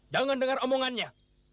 jangan dengar omongannya